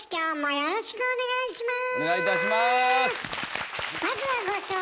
よろしくお願いします。